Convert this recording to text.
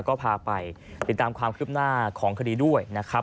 ก็พาไปติดตามความคืบหน้าของคดีด้วยนะครับ